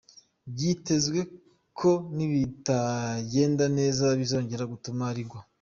Byitezwe ko nibitagenda neza bizongera gutuma rigwa.